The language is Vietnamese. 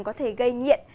có thể gây nghiện